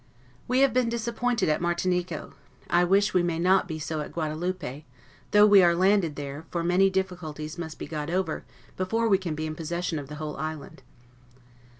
We have been disappointed at Martinico; I wish we may not be so at Guadaloupe, though we are landed there; for many difficulties must be got over before we can be in possession of the whole island.